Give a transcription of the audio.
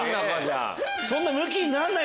そんなムキになんない！